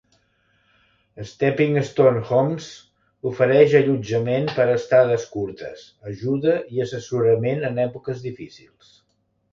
Stepping Stone Homes ofereix allotjament per a estades curtes, ajuda i assessorament en èpoques difícils.